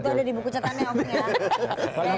itu ada di buku catannya opung